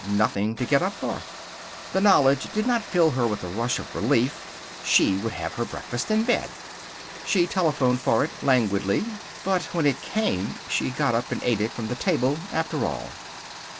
Nothing to get up for. The knowledge did not fill her with a rush of relief. She would have her breakfast in bed. She telephoned for it, languidly. But when it came she got up and ate it from the table, after all.